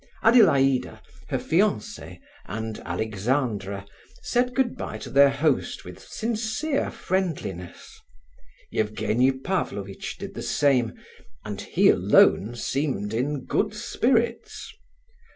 Adelaida, her fiance, and Alexandra, said good bye to their host with sincere friendliness. Evgenie Pavlovitch did the same, and he alone seemed in good spirits.